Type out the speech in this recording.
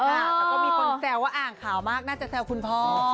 แต่ก็มีคนแซวว่าอ่านข่าวมากน่าจะแซวคุณพ่อ